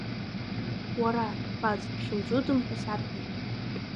Уара, Баӡ, хьымӡӷ удым ҳәа сарҳәеит.